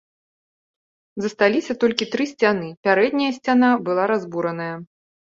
Засталіся толькі тры сцяны, пярэдняя сцяна была разбураная.